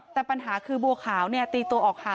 แต่ปัญหาคือบัวขาวเนี่ยตีตัวออกห่าง